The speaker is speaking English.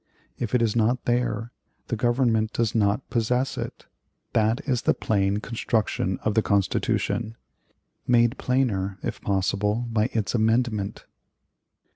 If it is not there, the Government does not possess it. That is the plain construction of the Constitution made plainer, if possible, by its amendment.